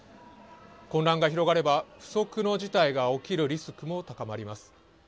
混乱が広がれば不測の事態が起こるリスクも高まります。